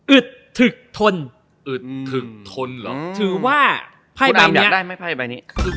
อึดถึกทนถือว่าไพ่ใบนี้คุณอามอยากได้ไหมไพ่ใบนี้